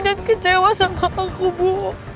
dan kecewa sama aku bu